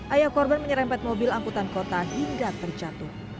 ayah korban menyerempet mobil angkutan kota hingga terjatuh